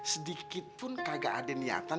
sedikitpun kagak ada niatan